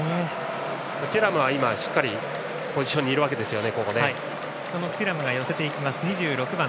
テュラムは今、しっかりポジションにいますね。